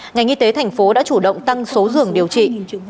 ngành y tế thành phố đã chủ động tăng số giường điều trị